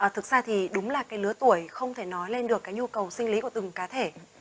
thực ra thì đúng là cái lứa tuổi không thể nói lên được cái nhu cầu sinh lý của từng cá thể